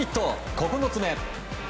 ９つ目。